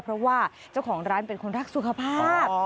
เพราะว่าเจ้าของร้านเป็นคนรักสุขภาพ